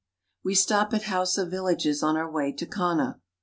Wc stop at Hausa villages on our way to Kano.